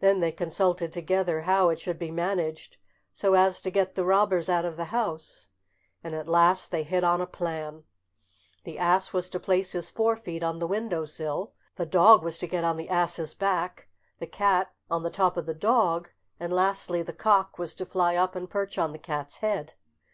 Then they consulted together how it should be managed so as to get the robbers out of the house, and at last they hit on a plan. The ass was to place his forefeet on the window sill, the dog was to get on the ass's back, the cat on the top of the dog, and lastly the cock was to fly up and perch on the cat's head.